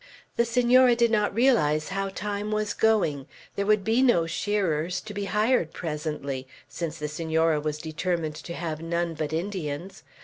The Senora did not realize how time was going; there would be no shearers to be hired presently, since the Senora was determined to have none but Indians.